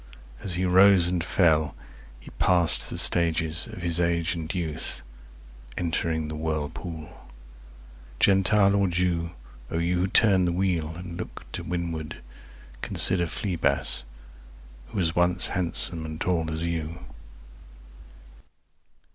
As he rose and fell He passed the stages of his age and youth Entering the whirlpool. Gentile or Jew O you who turn the wheel and look to windward, 320 Consider Phlebas, who was once handsome and tall as you.